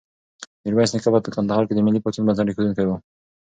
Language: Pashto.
میرویس نیکه په کندهار کې د ملي پاڅون بنسټ ایښودونکی و.